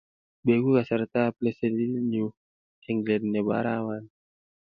bekuu kasartab lesenitnyu eng let nebo arawani